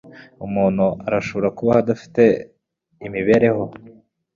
Umuntu arashobora kubaho adafite imibereho?